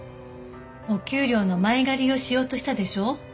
お給料の前借りをしようとしたでしょ。